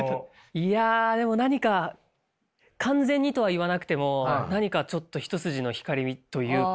いやでも何か完全にとは言わなくても何かちょっと一筋の光というか。